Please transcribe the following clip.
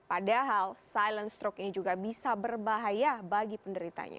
padahal silent stroke ini juga bisa berbahaya bagi penderitanya